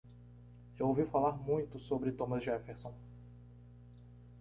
Eu ouvir falar muito sobre Thomas Jefferson.